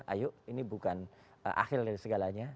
ayo ini bukan akhir dari segalanya